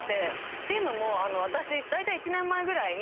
っていうのも私だいたい一年前ぐらいに。